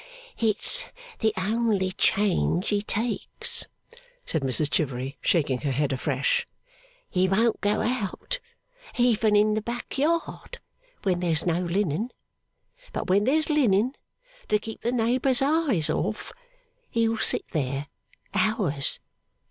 'It's the only change he takes,' said Mrs Chivery, shaking her head afresh. 'He won't go out, even in the back yard, when there's no linen; but when there's linen to keep the neighbours' eyes off, he'll sit there, hours.